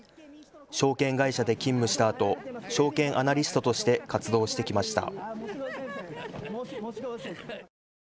証券会社で勤務したあと証券アナリストとして活動してきました。